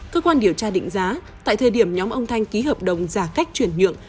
cơ quan điều tra định giá tại thời điểm nhóm ông thanh ký hợp đồng giả cách chuyển nhượng